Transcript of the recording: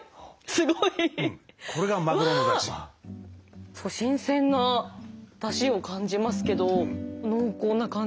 すごい新鮮な出汁を感じますけど濃厚な感じがありますね。